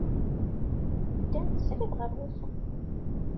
Ddant srid ɣer wusu.